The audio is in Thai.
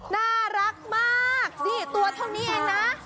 น่ารักมากสิตัวเท่านี้เองนะ